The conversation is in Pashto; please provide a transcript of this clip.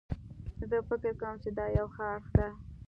زه فکر کوم چې دا یو ښه اړخ ده